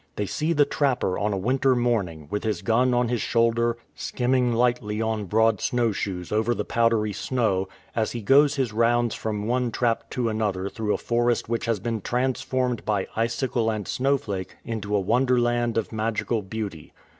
They see the trapper on a winter morning, with his gun on his shoulder, skimming lightly on broad snowshoes over the powdery snow, as he goes his rounds from one trap to another through a forest which has been transformed by icicle and snowflake into a wonderland of magical beauty.